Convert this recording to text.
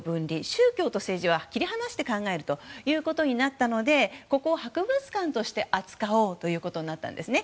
宗教と政治を切り離して考えることになったのでここを博物館として扱おうということになったんですね。